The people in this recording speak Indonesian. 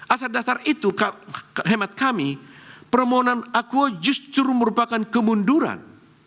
asal dasar itu hemat kami permohonan akuo justru merupakan kemunduran